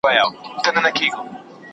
¬ نغرى پر درو پښو درېږي.